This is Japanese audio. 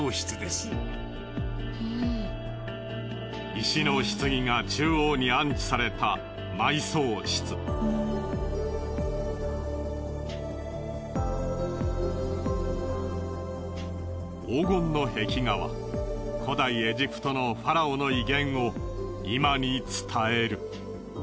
石の棺が中央に安置された黄金の壁画は古代エジプトのファラオの威厳を今に伝える。